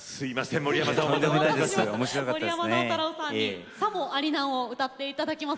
森山直太朗さんに「さもありなん」を歌っていただきます。